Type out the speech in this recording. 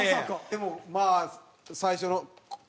でもまあ最初の。